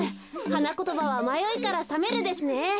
はなことばは「まよいからさめる」ですね。